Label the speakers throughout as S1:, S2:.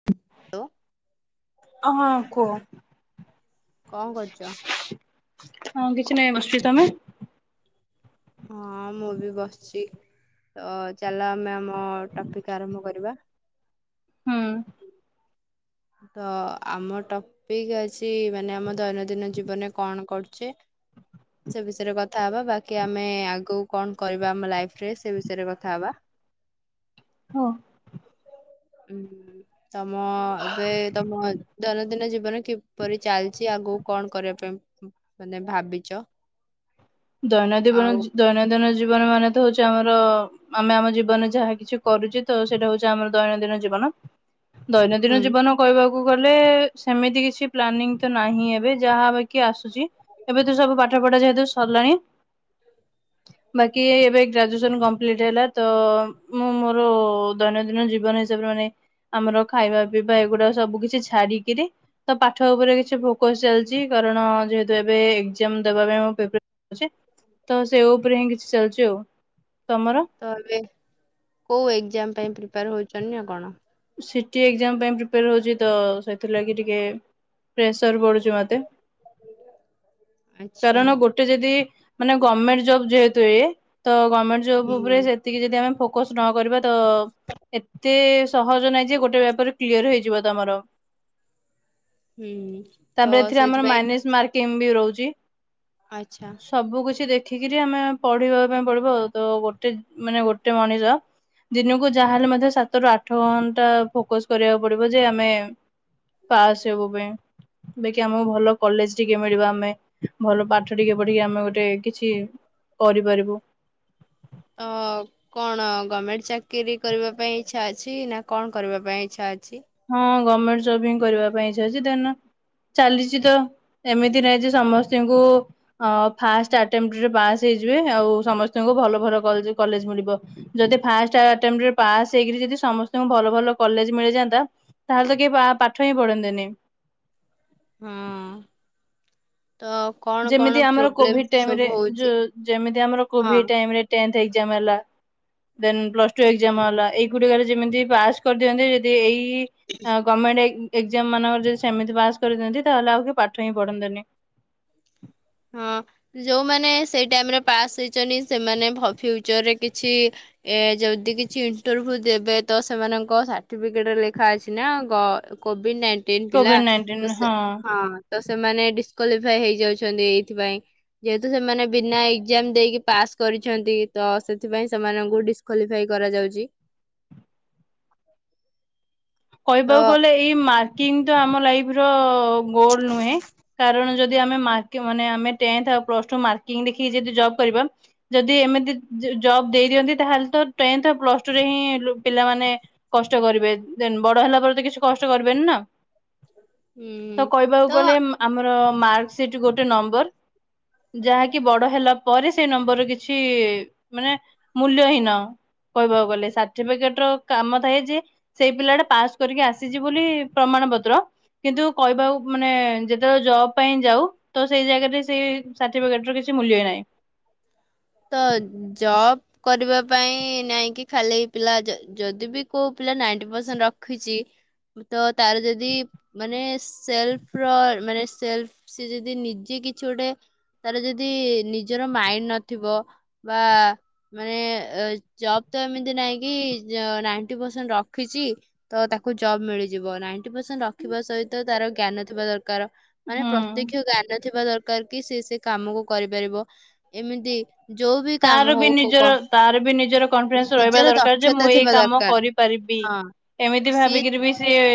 S1: [inaudible] ଓ
S2: ଅ ହଁ କୁହ।
S1: କଁ କରୁଚ?
S2: ହଁ କିଛି ନାଇଁ ବସିଚି ତମେ।
S1: ହଁ ମୁଁ ବି ବସଚି ଅ ଚାଲ ଆମେ ଆମ ଟପିକ୍ ଆରମ୍ଭ କରିବା।
S2: ହୁଁ।
S1: ତ ଆମ ଟ ପିକ୍ ଅଛି ମାନେ ଆମ ଦୈନଦିନ ଜୀବନରେ କଣ କରୁଚେ। ସେ ବିଷେୟେରେ କଥା ହବା ବାକି ଆମେ ଆଗୁକୁ କଣ କରିବା ଆମ ଲାଇଫରେ ସେ ବିଷେୟେରେ କଥା ହବା।
S2: ହଁ।
S1: ଉଁ ତମ ଏବେ ତମ ଦୈନଦିନ ଜୀବନ କିପରି ଚାଲଛି ଆଗୁ କଣ କରିବା ପାଇଁ ଉଁ ମାନେ ଭାବିଚ?
S2: ଦୈନଦୀବନ ଜୀ ଦୈନଦିନ ଜୀବନ ମାନେ ତ ହଉଚି ଆମର ଉଁ ଆମେ ଆମ ଜୀବନରେ ଯାହା କିଛି କରୁଚେ ତ ସେଇଟା ହଉଚି ଆମର ଦୈନନ୍ଦିନ ଜୀବନ। ଦୈନଦିନ
S1: ହୁଁ
S2: ଜୀବନ କହିବାକୁ ଗଲେ ସେମିତି କିଛି ପ୍ଲାନିଂ ତ ନାହିଁ ଏବେ ଯାହା ବା କିଏ ଆସୁଚି ଏବେ ତ ସବୁ ପାଠ ପଢା ଯେହେତୁ ସରିଲାଇଁ ବାକି ଏଇ ଏବେ ଗ୍ରାଜୁଏସନ୍ କମ୍ ବି ଏଡ୍ ହେଲା ତ ମୁଁ ମୋର ଦୈନଦିନ ଜୀବନ ହିସାବରେ ମାନେ ଆମର ଖାଇବା ପିଇବା ଏଗୁଡାକ ସବୁ କିଛି ଛାଡିକିରି ତ ପାଠ ଉପରେ କିଛି ଫୋକସ୍ ଚାଲିଚି କାରଣ ଯେହେତୁ ଏବେ ଏଗ୍ଜାମ ଦବା ପାଇଁ ମୁଁ ପ୍ରି ଉଚି ତ ସେ ଉପରେ ହିଁ କିଛି ଚାଲିଚି ଆଉ ତମର?
S1: ତ ଏବେ କୋଉ ଏକ୍ଜାମ ପାଇଁ ପ୍ରିପେୟାର ହଉଛନ୍ତି ନା କଣ?
S2: ସିଟି ଏଗ୍ଜାମ ପାଇଁ ପ୍ରିପେୟାର ହଉଚି ତ ସେଥିଲାଗି ଟିକେ ପ୍ରେସର ପଡୁଚି ମତେ।
S1: [inaudible]
S2: କାରଣ ଗୋଟେ ଯଦି ମାନେ ଗମେଣ୍ଟ ଜବ୍ ଯେହେତୁ ଏ ତ ଗମେଣ୍ଟ ଜବ୍
S1: ହୁଁ।
S2: ଉପରେ ସେତିକି ଯଦି ଆମେ ଫୋକସ୍ ନ କରିବା ତ ଏତେ ସହଜ ନାଇଁ ଯେ ଗୋଟେ ବେପାର କ୍ଲିୟର ହେଇଯିବ ତମର।
S1: ହୁଁ ତ
S2: ତାପରେ ଏଥିରେ ଆମର
S1: ସେଇଥିପାଇଁ
S2: ମାଇନିସ୍ ମାର୍କିଂ ବି ରହୁଚି।
S1: ଆଚ୍ଛା।
S2: ସବୁ କିଛି ଦେଖିକିରି ଆମେ ପଢିବା ପାଇଁ ପଡିବ ଆଉ ତ ଗୋଟେ ଉଁ ମାନେ ଗୋଟେ ମଣିଷ ଦିନୁକୁ ଯାହାହେଲେ ମଧ୍ୟ ସାତରୁ ଆ ଆଠ ଘଣ୍ଟା ଫୋକସ୍ କରିବାକୁ ପଡିବ ଯେ ଆମେ ପାସ୍ ହେବୁ ପାଇଁ। ଦେଇକି ଆମୁକୁ ଭଲ କଲେଜ ଟିକେ ମିଳିବ ଆମେ ଭଲ ପାଠ ଟିକେ ପଢିକି ଆମେ ଗୋଟେ କିଛି କରିପାରିବୁ।
S1: ଅ। କଣ ଗମେଣ୍ଟ ଚାକିରୀ କରିବା ପାଇଁ ଇଚ୍ଛା ଅଛି ନା କଣ କରିବା ପାଇଁ ଇଚ୍ଛା ଅଛି?
S2: ହଁ ଗମେଣ୍ଟ ଜବ୍ ହିଁ କରିବା ପାଇଁ ଇଛା ଅଛି ଦେନ ଚାଲିଛି ତ। ଏମିତିରେ ଆଜି ଯେ ସମସ୍ତଙ୍କୁ। ଫାଷ୍ଟ ଆଟେମଣ୍ଟ ରେ ପାସ୍ ହେଇଯିବେ ଆଉ ସମସ୍ତଙ୍କୁ ଭଲ ଭଲ କଲେଜ ମିଳିବ। ଯଦି ଫାଷ୍ଟ ଆଟେମଣ୍ଟ ପାସ ହେଇକି ଯଦି ସମସ୍ତଙ୍କୁ ଭଲ ଭଲ କଲେଜ ମିଳିଯାନ୍ତା। ତାହେଲେ ତ କିଏ ପାଠ ହିଁ ପଢନ୍ତେନି।
S1: ହଁ ତ। କଣ
S2: ଯେମିତି
S1: କଣ
S2: ଆମର
S1: ପ୍ରୋବ୍ଲେମ
S2: କୋଭିଡ ଟାଇମରେ
S1: ସବୁ ହଉଛି
S2: ଯେମତି ଆମର କୋଭିଡ ଟାଇମ ରେ ଟେନ୍ଥ ଏକ୍ସାମ ହେଲା ଦେନ ପ୍ଲସ୍ ଟୁ ଏକ୍ସାମ୍
S1: ହଁ।
S2: ହେଲା। ଗୁଡିକରେ ଯେମିତି ପାସ କରିଦିଅନ୍ତି ଯଦି ଏଇ ଗମେଣ୍ଟ ଏକ୍ଜାମ ମାନଙ୍କର ଯଦି ସେମିତି ପାସ୍ କରିଥାନ୍ତି ତାହେଲେ ଆଉ କିଏ ପାଠ ହିଁ ପଢନ୍ତନି।
S1: ହଁ ଯୋଉମାନେ ସେଇ ଟାଇମରେ ପାସ୍ ହେଇଛନ୍ତି ସେମାନେ ଫ୍ୟୁଚରରେ କିଛି ଏ ଯଦି କିଛି ଇଣ୍ଟରଭି୍ୟୁ ଦେବେ ତ ସେମାନଙ୍କ ସାର୍ଟିଫିକେଟ ଲେଖା ଅଛି ନା। କୋଭିଡ ନାଇଟିନ ପିଲା
S2: କୋଭିଡ ନାଇଣ୍ଟିନ ହଁ
S1: ହଁ ତ ସେମାନେ ଡିସକ୍ଵାଲିଫାଏ ହେଇଯାଉ ଛନ୍ତି ଏଇଥିପାଇଁ। ଯେହେତୁ ସେମାନେ ବିନା ଏକ୍ଜାମ ଦେଇକି ପାସ୍ କରିଛନ୍ତି ତ ସେଥିପାଇଁ ସେମାନଙ୍କୁ ଡିସ କଲିଫାଇ କରାଯାଉଛି। [inaudible] ତ
S2: କହିବାକୁ ଗଲେ ଏଇ ମାର୍କିଂ ତ ଆମ ଲାଇଫ ର ଗୋଲ ନୁହେ କାରଣ ଯଦି ଆମେ ମାର ମାନେ ଟେନ୍ଥ ଆମେ ଆଉ ପ୍ଲସ ଟୁ ଦେଖିକି ଯଦି ମାକିଂ ଦେଖି ଯଦି ଜବ୍ କରିବା। ଯଦି ଏମିତି ଜବ ଦେଇ ଦିଅନ୍ତି ତାହେଲେ ତ ଟେନ୍ଥ ପ୍ଲସ ଟୁରେ ହିଁ ପିଲାମାନେ କଷ୍ଟ କରିବେ ବଡ ହେଲା ପରେ ତ କିଛି କଷ୍ଟ କରିବନି ନା। ତ
S1: ଉଁ
S2: କହିବାକୁ
S1: ତ
S2: ଗଲେ ମା ଆମର ମାର୍କ ସିଟ ଗୋଟେ ନମ୍ବର ଯାହାକି ବଡ ହେଲା ପରେ ସେଇ ନମ୍ବର କିଛି ମାନେ ମୂଲ୍ୟ ହିଁନ। କହିବାକୁ ଗଲେ ସାର୍ଟିଫିକେଟ ର କାମ ଥାଏ ଯେ ସେଇ ପିଲାଟା ପାସ କରିକି ଆସିଛି ବୋଲି ପ୍ରମାଣ ପତ୍ର। କିନ୍ତୁ କହିବାକୁ ମାନେ ଯେତେବେଳେ ଜବ ପାଇଁ ଯାଉ ତ ସେଇ ଜାଗାରେ ସେଇ ସାର୍ଟିଫିକେଟର କିଛି ମୂଲ୍ୟ ନାହିଁ।
S1: ତ ଜବ୍। କରିବା ପାଇଁ ନାଇଁକି ଖାଲି ପିଲା ଯଦି ବି କୋଉ ପିଲା ନାଇଣ୍ଟି ପରସେଣ୍ଟ ରଖିଛି। ତ ତାର ଯଦି ମାନେ ସେଲଫ ର ମାନେ ସେଲଫ ସେ ଯଦି ନିଜେ କିଛି ଗୋଟେ ତାର ଯଦି ନିଜର ମାଇଣ୍ଡ ନଥିବ ବା ମାନେ ଜବ୍ ତ ଏମିତି ନାଇଁ କି ନାଇଣ୍ଟି ପରସେଣ୍ଟ ରଖିଛି। ତ ତାକୁ ଜବ ମିଳିଯିବ ନାଇଣ୍ଟି ପରସେଣ୍ଟ ରଖିବା ସହିତ ତାର ଜ୍ଞାନ ଥିବା ଦରକାର। ମାନେ
S2: ହୁଁ
S1: ପ୍ରତ୍ୟକ୍ଷ ଜ୍ଞାନ ଥିବା ଦରକାର କି ସେ ସେ କାମକୁ କରିପାରିବ ଏମିତି ଯୋଉ ବି କାମ
S2: ତାର
S1: ହଉ
S2: ବି
S1: କୋ-
S2: ନିଜର ତାର ବି ନିଜର କନଫିଡେନ୍ସ
S1: କମ୍ପ-
S2: ରହିବା
S1: ନିଜର
S2: ଦରକାର ଯେ
S1: ଦକ୍ଷତା
S2: ମୁଁ ଏଇ
S1: ଥିବା
S2: କାମ
S1: ଦରକାର
S2: କରି କରିବି
S1: ହଁ
S2: ଏମିତି
S1: ସିଏ
S2: ଭାବିକିରି ବି ସିଏ।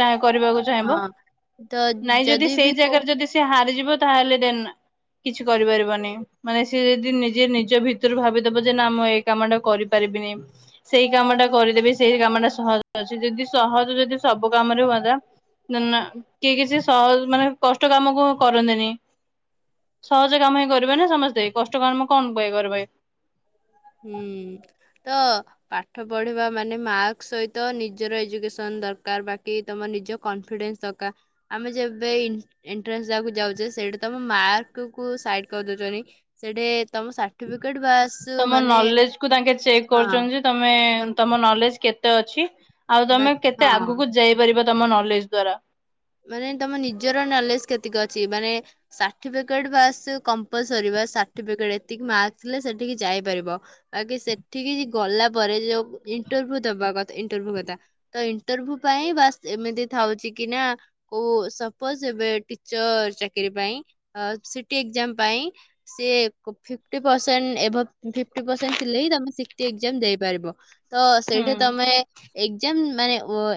S2: ଚାଁ କରିବାକୁ ଚାହିଁବ
S1: ହଁ ତ
S2: ନାଇଁ ଯଦି
S1: ବି
S2: ସେଇ
S1: କୋଉ
S2: ଜାଗାରେ ଯଦି ସେ ହାରିଯିବ ତାହେଲେ ଦେ କିଛି କରିପାରିବନି ମାନେ ସେ ଯଦି ନି ଯିଏ ନିଜ ଭିତରୁ ଭାବିଦବ ଯେ ନା ମୁଁ ଏଇ କାମ ଟା କରିପାରିବିନି। ସେଇ କାମ ଟା କରିଦେବି ସେଇ କାମ ଟା ସହଜ ଅଛି ଯଦି ସହଜ ଯଦି ସବୁ କାମରେ ହୁଅନ୍ତା। ନା ନା କିଏ କିଛି ସହଜ ମାନେ କଷ୍ଟ କାମ କୁ କରନ୍ତିନେହିଁ। ସହଜ କାମ ହିଁ କରିବେ ନା ସମସ୍ତେ କଷ୍ଟ କାମ କଣ ପାଇଁ କରିବେ।
S1: ହୁଁ ତ। ପାଠ ପଢିବା ମାନେ ମାର୍କ ସହିତ ନିଜର ଏଜୁକେସନ୍ ଦରକାର ବାକି ତମ ନିଜ କନଫିଡେନ୍ସେ୍ ଦରକାରେ। ଆମେ ଯେବେ ଏଣ୍ଟ୍ରାନ୍ସଦବାକୁ ଯାଉଛେ ସେଇଟି ତମ ମାର୍କକୁ ସାଇଟି କରିଦୋଉଚନ୍ତି। ସେଇଠି ତମ ସାର୍ଟିଫିକେଟେ ବାସ୍
S2: ତମ
S1: ମାନେ
S2: ନଲେଜ କୁ ତାଙ୍କେ ଚେକେ
S1: ହଁ
S2: କରୁଚନ୍ତି ଯେ ତମେ
S1: ତ
S2: ତମ ନଲେଜେ କେତେ ଅଛି। ଆଉ ତମେ
S1: ବାକି
S2: କେତେ
S1: ହଁ
S2: ଆଗକୁ ଯାଇପାରିବ ତମ ନଲେଜେ ଦ୍ଵାରା।
S1: ମାନେ ତମ ନିଜର ନଲେଜେ କେତିକ ଅଛି ମାନେ ସାର୍ଟିଫିକେଟେ ବାସ୍ କଂପ୍ଲସରୀ ବାସ୍ ସାର୍ଟିଫିକେଟେ ଏତିକି ମାର୍କ ଥିଲେ ସଠିକି ଯାଇପାରିବ। ଆଗେ ସେଠିକି ଗଲା ପରେ ଯୋଉ ଇଣ୍ଟରଭ୍ୟୁ ଦବା କଥ ଇଣ୍ଟରଭ୍ୟୁ କଥା ତ ଇଣ୍ଟରଭ୍ୟୁ ପାଇଁ ବାସ୍ ଏମିତି ଥାଉଚି କି ନା ଓ ସପୋଜ୍ ଏବେ ଟିଚର ଚାକିରି ପାଇଁ ସିଟି ଏକ୍ଜାମ୍ ପାଇଁ। ସିଏ ଫିପିଟ୍ ପ୍ରସେଣ୍ଟେ ଏଭବ ଫିପିଟ୍ ପ୍ରସେଣ୍ଟେ ଥିଲେ ହିଁ ତମେ ସିଟି ଏକ୍ଜାମ୍ ଦେଇପାରିବ। ତ
S2: ହୁଁ
S1: ସେଇଟା ତମେ ଏକ୍ଜାମ୍ ମାନେ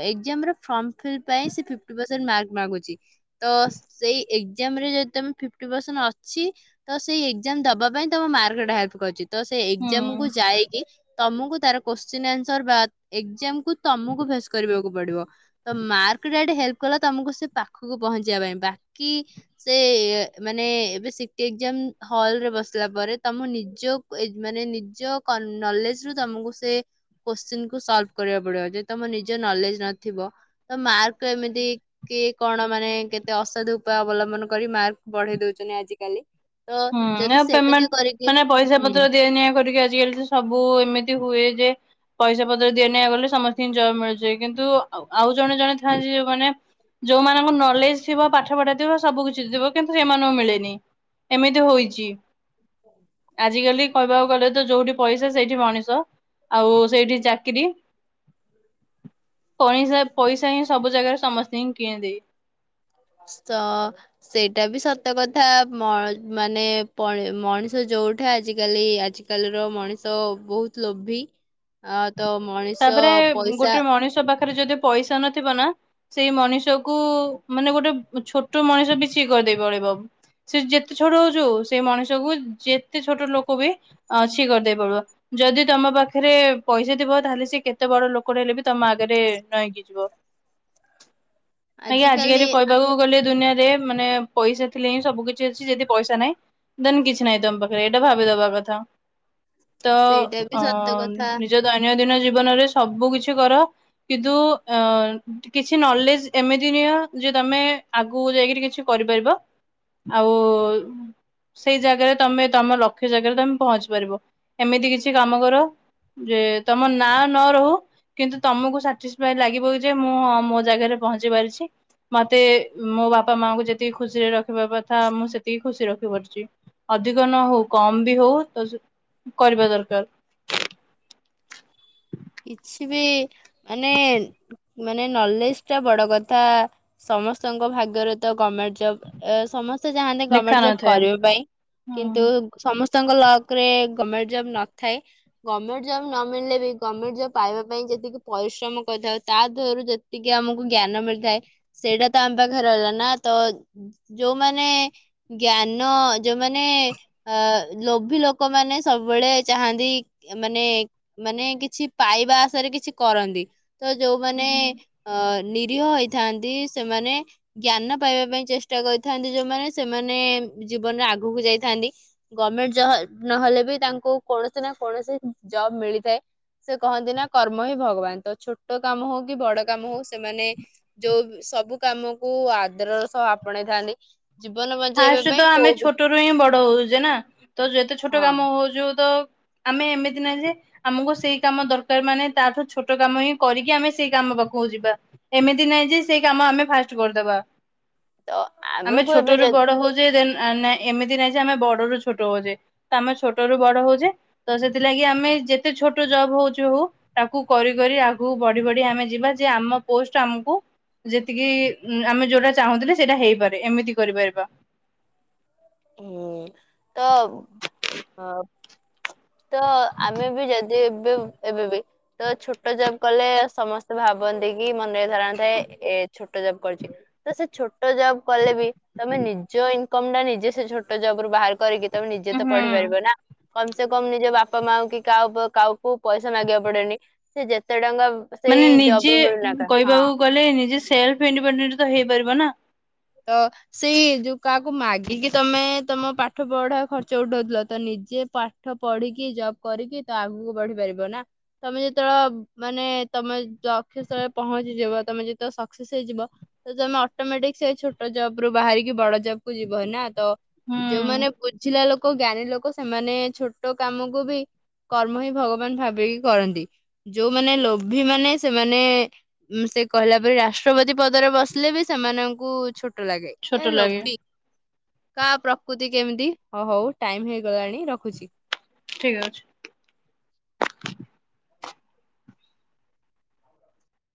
S1: ଏକ୍ଜାମ୍ ର ଫର୍ମ ଫିଲ୍ ପାଇଁ ତମେ ଫିପିଟି ପ୍ରରସେଣ୍ଟେ ମାର୍କ ମାଗୁଚି ତ ସେଇ ଏକ୍ଜାମ୍ ରେ ଯଦି ତମେ ଫିପିଟି ପରସେଣ୍ଟେ ଅଛି। ତ ସେଇ ଏକ୍ଜାମ୍ ଦବା ପାଇଁ ତମ ମାର୍କଟା ହେଲ୍ପେ୍ କରୁଚି ତ ସେ ଏକ୍ଜାମ୍
S2: ହୁଁ
S1: କୁ ଯାଇକି ତମୁକୁ ତାର କୋ୍ଚିନ୍ ଆନ୍ସାର୍ ବା ଏକ୍ଜାମକୁୁ ତମୁକୁ ଫେସେ କରିବାକୁ ପଡିବ। ତ ମାର୍କଟା ହେଲ୍ପେ୍ କଲା ତମୁକୁ ସେ ପାଖକୁ ପହଞ୍ଚିବା ପାଇଁ ବାକି ସେ ମାନେ ଏବେ ସିଟି ଏକ୍ଜାମ୍ ହଲ ରେ ବସିଲା ପରେ ତମ ନିଜ ଏ ମାନେ ନିଜ ନଲେଜେ ରୁ ତମୁକୁ ସେ କୋଶ୍ଚିନି କୁ ସଲଫ୍ କରିବାକୁ ପଡିବ ଯେଦି ତମର ନିଜ ନଲେଜେ ନଥିବ ତ ମାର୍କ ଏମିତି କିଏ କଣ ମାନେ କେତେ ଅସାଧୁ ଉପାୟ ଅବଲମ୍ବନ କରି ମାର୍କ ବଢେଇ ଦୋଉଚନ୍ତି ଆଜିକାଲି। ତ
S2: ହୁଁ
S1: ଯଦି
S2: ଆ
S1: ସେମିତି
S2: ପେମେଣ୍ଟେ
S1: କରିକି
S2: ମାନେ ପଇସା
S1: ହୁଁ
S2: ପତ୍ର ଦିଆ ନିିଆ କରିକି ଆଜିକାଲି ସବୁ ଏମିତି ହୁଏ। ଯେ ପଇସା ପତ୍ର ଦିଆନିଆ କଲେ ସମସ୍ତିକି ଜବ୍ ମିଳିଯାଏ କିନ୍ତୁ ଆଉ ଜଣେ ଜଣେ ଥାନ୍ତି ଯୋଉମାନେ ଯୋଉମାନଙ୍କ ନଲେଜେ ଥିବ ପାଠ ପଢ଼ା ଥିବ ସବୁ କିଛି ଥିବ କିନ୍ତୁ ସେମାନଙ୍କୁ ମିଳେନେହଁ। ଏମିତି ହୋଇଚି। ଆଜିକାଲି କହିବାକୁ ଗଲେ ତ ଯୋଉଠି ପଇସା ସେଇଠି ମଣିଷ ଆଉ ସେଇଠି ଚାକିରି। ପଣିସା ପଇସା ହିଁ ସବୁ ଜାଗାରେ ସମସ୍ତଙ୍କି କିଣିଦେଇ।
S1: ସ୍ତ। ସେଇଟା ବି ସତ କଥା ମ ମାନେ ମଣିଷ ଯୋଉଠେ ଆଜିକାଲି ଆଜି। ଆଜି କାଲିର ମଣିଷ ବହୁତୁ ଲୋଭି ଆ ତ ମଣି
S2: ତାପରେ ଗୋଟେ ମଣିଷ ପାଖରେ ଯଦି ପଇସା ନଥିବ ନା ସେଇ ମଣିଷକୁ ମାନେ ଗୋଟେ ଛୋଟ ମଣିଷ ବି ଛି କରିଦେଇ ପଲେଇବ। ସେ ଯେତେ ଛୋଟ ହୋଉ ଯୋଉ ସେ ମଣିଷ କୁ ଯେତେ ଛୋଟ ଲୋକ ବି ଛି କରିଦେଇକି ପଳେଇବ। ଯଦି ତମ ପାଖରେ ପଇସା ଥିବ ତାହେଲେ ସେ କେତେ ବଡ ଲୋକଟେ ହେଲେ ବି ତମ ଆଗରେ ନଇଁ କି ଯିବ। ଆଜ୍ଞା ଆଜିକାଲି କହିବାକୁ ଗଲେ ଦୁନିଆଁ ରେ ମାନେ ପଇସା ଥିଲେ ହିଁ ସବୁ କିିଛି ଅଛି ଯଦି ପଇସା ନାହିଁ। ଦେନେ କିଛି ନାହିଁ ତମ ପାଖରେ ଏଇଟା ଭାବିଦବା କଥା। ତ
S1: ସେଇଟା ବି
S2: ଅ
S1: ସତ କଥା
S2: ନିଜ ଦୈନଦିନ ଜୀବନରେ ସବୁ କିଛି କର। କିନ୍ତୁ ଅ କିଛି ନଲେଜେ ଏମିତି ନିଅ ଯେ ତମେ ଆଗକୁ ଯାଇକିରି କିଛି କରିପାରିବ, ଆଉ ସେଇ ଜାଗାରେ ତମେ ତମ ଲକ୍ଷ୍ୟ ଜାଗାରେ ତମେ ପହଞ୍ଚି ପାରିବ ଏମିତି କିଛି କାମ କର ଯେ ତମ ନି ନାଁ ନ ରହୁ କିନ୍ତୁ ତମକୁ ସାଟିସଫାଇ ଲାଗିବ ଯେ ମୁଁ ମୋ ଜାଗାରେ ପହଞ୍ଚି ପାରିଛି। ମତେ ମୋ ବାପା ମାଙ୍କୁ ଯେତିକି ଖୁସିରେ ରଖିବା କଥା ମୁଁ ସେତିକି ଖୁସି ରେ ରଖି ପାରୁଛି। ଅଧିକ ନ ହଉ କମ ବି ହଉ ତ କରିବା ଦରକାର।
S1: କିଛି ବି ମାନେ ମାନେ ନଲେଜ ଟା ବଡ କଥା ସମସ୍ତଙ୍କ ଭାଗ୍ୟରେ ତ ଗମେଣ୍ଟ୍ ଜବ ସମସ୍ତେ ଚାହାଁନ୍ତି
S2: ଲେଖା
S1: ଗମେଣ୍ଟ ଜବ
S2: ନଥାଏ
S1: କରିବା ପାଇଁ। କିନ୍ତୁ
S2: ହୁଁ
S1: ସମସ୍ତଙ୍କ ଲକ ରେ ଗମେଣ୍ଟ ଜବ୍ ନଥାଏ। ଗମେଣ୍ଟ ଜବ ନ ମିଳିଲେ ବି ଗମେଣ୍ଟ ଜବ ପାଇବା ପାଇଁ ଯେତିକି ପରିଶ୍ରମ କରିଥାଉ ତା ଦେହରୁ ଯେତିକି ଆମକୁ ଜ୍ଞାନ ମିଳିଥାଏ ସେଇଟା ତ ଆମ ପାଖରେ ହେଲା ନା ତ ଯୋଉମାନେ ଜ୍ଞାନ ଯୋଉମାନେ ଅ ଲୋଭି ଲୋକମାନୋନେ ସବୁବେଳେ ଚାହାନ୍ତି ମାନେ ମାନେ କିଛି କିଛି ପାଇବା ଆଶାରେ କିଛି କରନ୍ତି ତ ଯୋଉମାନେ ଅ ନିରୀହ ହେଇ ଥାନ୍ତି ସେମାନେ ଜ୍ଞାନ ପାଇବା ପାଇଁ ଚେଷ୍ଟା କରିଥାନ୍ତି ଯୋଉମାନେ ସେମାନେ ଜୀବନରେ ଆଗକୁ ଯାଇଥାନ୍ତି। ଗମେଣ୍ଟ ଜ ନହେଲେ ବି ତାଙ୍କୁ କୌଣସି ନା କୌଣସି ଜବ ମିଳିଥାଏ। ସେ କହନ୍ତି ନା କର୍ମ ହିଁ ଭଗବାନ ତ ଛୋଟ କାମ ହଉ କି ବଡ କାମ ହଉ ସେମାନେ ଯୋଉ ସବୁ କାମକୁ ଆଦରର ସହ ଆପଣେଇଥାନ୍ତି। ଜୀବନ ବା
S2: ଫଷ୍ଟରୁ ତ ଆମେ ଛୋଟରୁୁ ହିଁ ବଡ ହଉଛେ ନା ତ ଯେତେ ଛୋଟ
S1: ହଁ
S2: କାମ ହଉଛୁ ତ ଆମେ ଏମିତି ନାଁ ଯେ ଆମକୁ ସେଇ କାମ ଦରକାର ମାନେ ତାଠୁ ଛୋଟ କାମ ହିଁ କରିକି ଆମେ ସେଇ କାମ ପାଖକୁ ଯିବା। ଏମିତି ନାଇଁ ଯେ ସେଇ କାମ ଆମେ ଫାଷ୍ଟ କରିଦବା।
S1: ତ ଆମେକୁ ଏବେ ଯ
S2: ବୁଝେଇଦେନ ଆରେ ନାଇଁ ଏମିତି ନାଇଁ ଯେ ଆମେ ବଡରୁୁ ଛୋଟ ହଉଛେ ତ ଆମେ ଛୋଟରୁୁ ବଡ ହଉଛେ। ତ ସେଥିଲାଗି ଆମେ ଯେତେ ଛୋଟ ଜବ୍ ହଉଛି ହଉ ତାକୁ କରି କରି ଆଗକୁ ବଢି ବଢି ଆମେ ଯିବା ଯେ ଆମ ପୋଷ୍ଟ ଆମକୁ ଯେତିକି ଆମେ ଯୋଉଟା ଚାହୁଁଥିଲେ ସେଇଟା ହେଇପାରେ ଏମିତି କରିପାରିବା।
S1: ହୁଁ ତ ହଉ। ତ ଆମେ ବି ଯଦି ଏବେ ଏବେ ବି ତ ଛୋଟ ଜବ କଲେ ସମସ୍ତେ ଭାବନ୍ତି କି ମନେ ଥାନ୍ତେ ଏ ଛୋଟ ଜବ କରିୁଛି ତ ସେ ଛୋଟ ଜବ କଲେ ବି ତମେ ନିଜ ଇ କମ ଟା ନିଜେ ସେ ଛୋଟ ଜବ ରୁ ବାହାର କରିକି ତମେ ନିଜେ ତ
S2: ହୁଁ।
S1: ପଢିପାରିବ ନା। କମ୍ ସେ କଣ ନିଜ ବାପା ମା କି କା କାହାକୁ ପଇସା ମାଗିବାକୁ ପଡେନି ସେ ଯେତେ ଟଙ୍କା ସେଇ
S2: ମାନେ
S1: ଜବ୍
S2: ନିଜେ
S1: ରୁ ମିଳୁନା କା ହଁ
S2: କହିବାକୁ ଗଲେ ନିଜେ ସେଲଫ ଇଣ୍ଡିପେଣ୍ଡେଣ୍ଟ ତ ହେଇପାରିବ ନା।
S1: ତ ସେଇ ଯୋଉ କାହାକୁ ମାଗିକି ତମେ ତମ ପାଠ ପଢା ଖର୍ଚ୍ଚ ଉଠଉଥିଲ ତ ନିଜେ ପା ପାଠ ପଢିକି ଜବ୍ କରିକି ତ ଆଗକୁ ବଢି ପାରିବ ନା। ତମେ ଯେତେବେଳ ମାନେ ତମେ ଦକ୍ଷସ୍ଥଳେ ପହଞ୍ଚିଯିବ ତମେ ଯେତେବେଳେ ସକ୍ସେସ୍ ହେଇଯିବ ତ ତମେ ଅଟୋମେଟିକ ସେ ଛୋଟ ଜବ ରୁ ବାହାରିକି ବଡ ଜବ କୁ ଯିବ ନା ତ
S2: ହୁଁ।
S1: ଯୋଉମାନେ ବୁଝିଲା ଲୋକ ଜ୍ଞାନୀ ଲୋକ ସେମାନେ ଛୋଟ କାମକୁ ବି କର୍ମ ହିଁ ଭଗବାନ ଭାବିକି କରନ୍ତି ଯୋଉମାନେ ଲୋଭୀ ମାନେ ସେମାନେ ଉଁ ସେ କହିଲା ପରେ ରାଷ୍ଟ୍ରପତି ପଦରେ ବସିଲେ ବି ସେମାନଙ୍କୁ ଛୋ ଟ ଲାଗେ
S2: ଛୋଟ
S1: ଏ
S2: ଲାଗେ
S1: ଲୋଭି। କା ପ୍ରକୃତି କେମିତି ହଉ ହଉ ଟାଇମି ହେଇଗଲାଣି ରଖୁଛି।
S2: ଠିକ୍ ଅଛି।